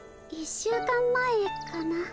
１週間前かな？